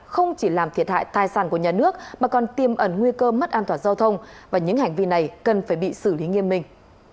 không chỉ làm thiệt hại tài sản của nhà nước mà còn tiêm ẩn nguy cơ mất an toàn giao thông và những hành vi này cần phải bị xử lý nghiêm minh